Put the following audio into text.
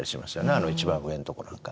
あの一番上のとこなんか。